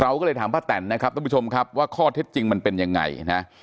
ก็เลยถามป้าแตนนะครับทุกผู้ชมครับว่าข้อเท็จจริงมันเป็นยังไงนะ